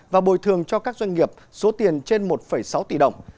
và bồi thường cho các doanh nghiệp số tiền trên một sáu tỷ đồng